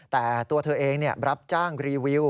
แต่ตัวเธอเองรับจ้างรีวิว